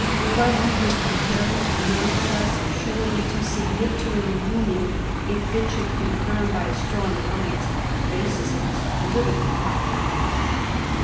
But he was preparing none the less surely to submit to a reunion if it should confirm by a strong alliance the t>asis of his political power in Europe.